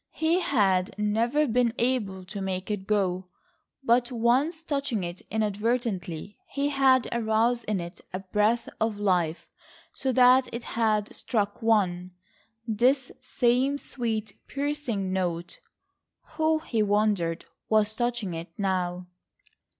He had never been able to make it go, but once touching it inadvertently he had aroused in it a breath of life so that it had struck one,—this same sweet piercing note. Who, he wondered, was touching it now?